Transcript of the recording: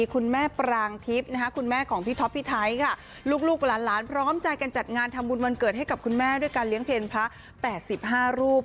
คุณแม่ปรางทิพย์คุณแม่ของพี่ท็อปพี่ไทยค่ะลูกหลานพร้อมใจกันจัดงานทำบุญวันเกิดให้กับคุณแม่ด้วยการเลี้ยงเพลงพระ๘๕รูป